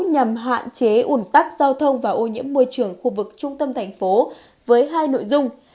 nhằm hạn chế ủn tắc giao thông và ô nhiễm môi trường khu vực trung tâm thành phố với hai nội dung